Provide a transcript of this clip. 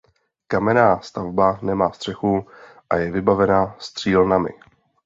Kamenná stavba nemá střechu a je vybavena střílnami.